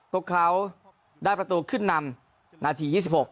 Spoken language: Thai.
พวกเขาได้ประตูขึ้นนำนาที๒๖